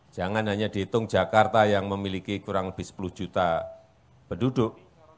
jangan hanya dihitung jakarta yang memiliki kurang lebih sepuluh juta penduduk